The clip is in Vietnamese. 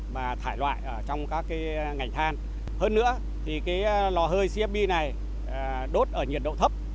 và thải loại ở trong các ngành than hơn nữa thì cái lò hơi cfb này đốt ở nhiệt độ thấp